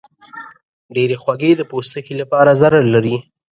ډېرې خوږې د پوستکي لپاره ضرر لري.